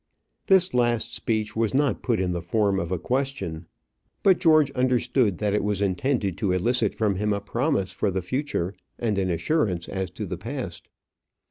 This last speech was not put in the form of a question; but George understood that it was intended to elicit from him a promise for the future and an assurance as to the past.